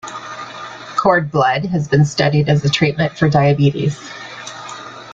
Cord blood has been studied as a treatment for diabetes.